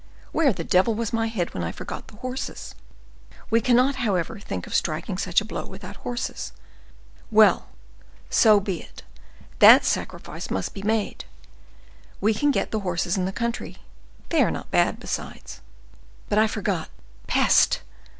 Where the devil was my head when I forgot the horses? We cannot, however, think of striking such a blow without horses. Well, so be it, that sacrifice must be made; we can get the horses in the country—they are not bad, besides. But I forgot—peste!